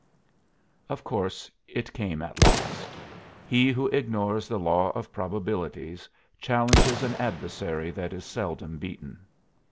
Of course, it came at last; he who ignores the law of probabilities challenges an adversary that is seldom beaten.